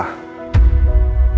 atau mungkin bu rosa